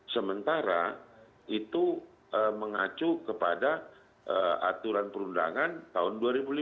sementara itu mengacu kepada aturan perundangan tahun dua ribu lima belas